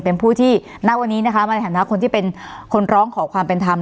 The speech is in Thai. เป็นผู้ที่ณวันนี้นะคะมาในฐานะคนที่เป็นคนร้องขอความเป็นธรรม